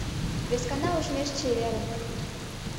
Вескана ужмеш чеверын!